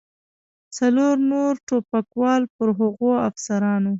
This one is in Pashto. څلور نور ټوپکوال پر هغو افسرانو.